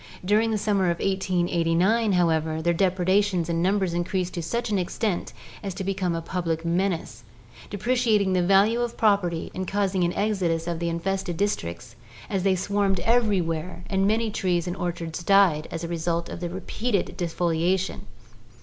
During the summer of 1889, however, their depredations and numbers increased to such an extent as to become a public menace, depre ciating the value of property and causing an exodus from the infested districts, as they swarmed everywhere and many trees and orchards died as a result of the repeated defoliation.